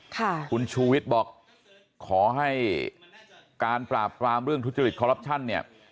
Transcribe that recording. คุณชูวิทย์บอกขอให้การปราบปรามเรื่องทุจริตคอรัปชั่นเนี่ย